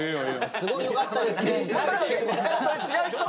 「すごいよかったですね」みたいな。